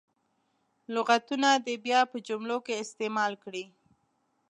لغتونه دې بیا په جملو کې استعمال کړي.